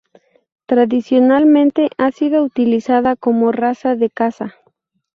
Tradicionalmente ha sido utilizada como raza de caza.